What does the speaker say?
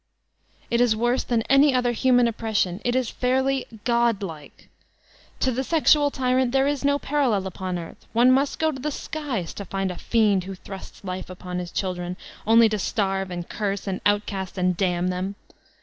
It is worse than any other human oppression; it b fairly GodAiktl To the sexual tyrant there is no parallel upon earth ; one must go to the skies to find a fiend who thrusts life upon his chil dren only to starve and curse and outcast and damn them!